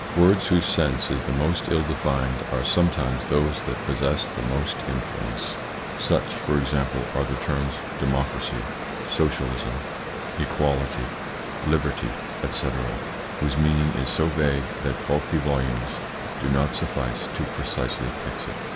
Words whose sense is the most ill defined are sometimes those that possess the most influence. Such, for example, are the terms democracy, socialism, equality, liberty, &c., whose meaning is so vague that bulky volumes do not suffice to precisely fix it.